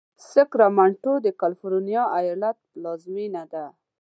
ساکرمنټو د کالفرنیا ایالت پلازمېنه ده.